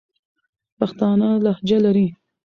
پښتانه لهجه لري.